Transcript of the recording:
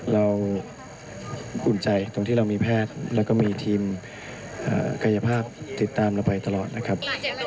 อุ่นใจตรงที่เรามีแพทย์แล้วก็มีทีมกายภาพติดตามเราไปตลอดนะครับ